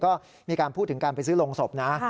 ก็มีการพูดถึงการไปซื้อโรงศพนะ